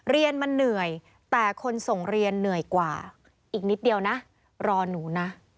เรียนมันเหนื่อยแต่คนส่งเรียนเหนื่อยกว่าอีกนิดเดียวนะรอหนูนะ